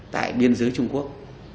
tại biên giới trung quốc